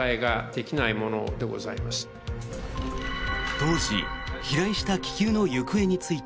当時、飛来した気球の行方について。